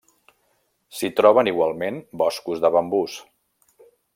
S'hi troben igualment boscos de bambús.